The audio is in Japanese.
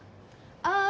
ああ！